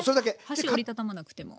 端を折り畳まなくても。